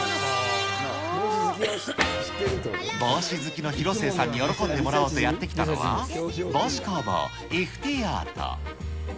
帽子好きの広末さんに喜んでもらおうとやって来たのは、帽子工房イフティアート。